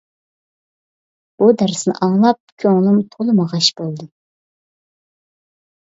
بۇ دەرسنى ئاڭلاپ كۆڭلۈم تولىمۇ غەش بولدى.